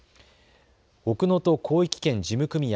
奥能登広域圏事務組合